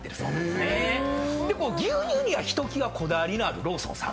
牛乳にはひときわこだわりのあるローソンさん。